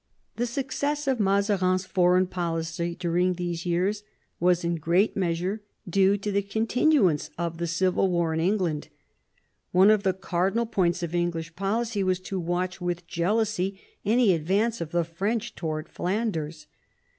The success of Mazarin's foreign policy during these years was in great measure due to the continuance of the Civil War in England. One of the cardinal points of English policy was to watch with jealousy any advance of the French towards Flanders.